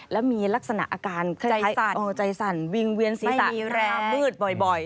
แล้วมีลักษณะอาการใจสั่นใจสั่นวิ่งเวียนศีรษะมืดบ่อย